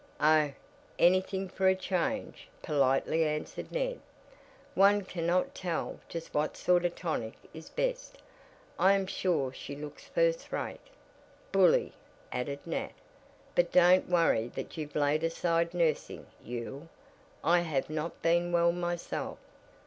"Oh, anything for a change," politely answered Ned. "One cannot tell just what sort of tonic is best, I am sure she looks first rate." "Bully," added Nat, "but don't worry that you've laid aside nursing, Yule, I have not been well myself.